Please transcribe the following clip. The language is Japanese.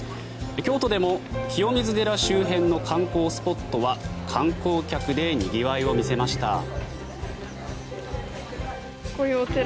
京都でも清水寺周辺の観光スポットは観光客でにぎわいを見せました。